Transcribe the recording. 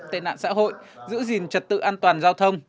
tệ nạn xã hội giữ gìn trật tự an toàn giao thông